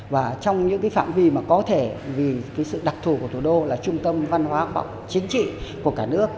và trong những cái phạm vi mà có thể vì cái sự đặc thủ của thủ đô là trung tâm văn hóa chính trị của cả nước